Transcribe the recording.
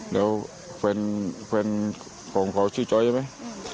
เดี๋ยวแฟนของเขาชื่อจอยใช่ไหม